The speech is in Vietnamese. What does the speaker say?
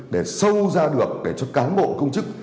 để sâu ra được để cho cán bộ công chức